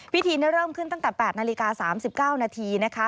พิธีเริ่มขึ้นตั้งแต่๘นาฬิกา๓๙นาทีนะคะ